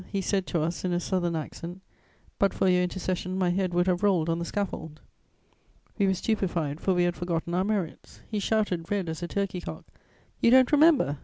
He said to us, in a southern accent: "But for your intercession, my head would have rolled on the scaffold." We were stupefied, for we had forgotten our merits; he shouted, red as a turkey cock: "You don't remember?...